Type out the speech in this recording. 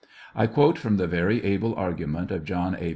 I quote from the very able arguinent of 'John A.